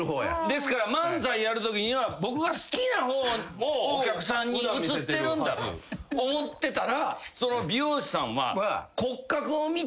ですから漫才やるときには僕が好きな方をお客さんに映ってるんだと思ってたら美容師さんは。